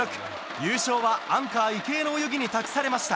優勝はアンカー池江の泳ぎに託されました。